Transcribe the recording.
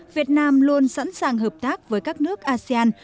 việt nam luôn sẵn sàng hợp tác với các nước asean